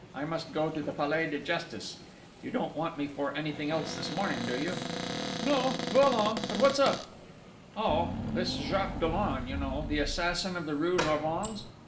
I must go to the Palais de Justice ... you don't want me for anything else this morning, do you?" "No, go along! But what's up?" "Oh ... this Jacques Dollon, you know, the assassin of the rue Norvins?